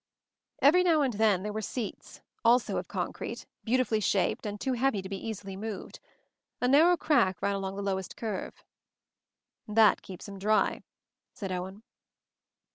Every now and then there were seats; also of concrete, beautifully shaped and too heavy to be easily moved. A narrow crack ran along the lowest curve. "That keeps 'em dry," said Owen.